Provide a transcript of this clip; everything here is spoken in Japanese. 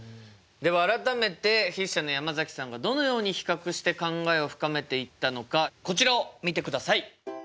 では改めて筆者の山崎さんがどのように比較して考えを深めていったのかこちらを見てください！